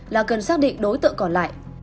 là cần xác định đối tượng còn lại